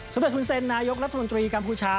สมเด็จคุณเซ็นนายกรัฐมนตรีกัมพูชา